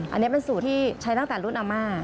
อันนี้เป็นสูตรที่ใช้ตั้งแต่รุ่นอาม่า